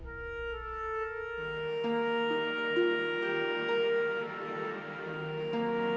akan jadi ruban rlé bryan